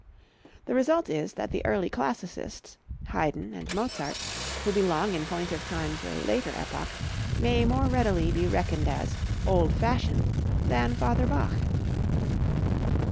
The result is that the early classicists, Haydn and Mozart, who belong in point of time to a later epoch, may more readily be reckoned as "old fashioned" than Father Bach.